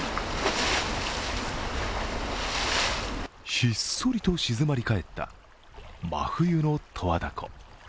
ひっそりと静まり返った真冬の十和田湖。